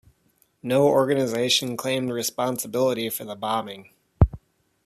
No organization claimed responsibility for the bombing.